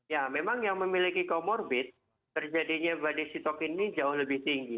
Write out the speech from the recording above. ya memang yang memiliki comorbid terjadinya badai sitokin ini jauh lebih tinggi